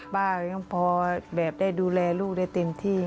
ก็ยังพอแบบได้ดูแลลูกได้เต็มที่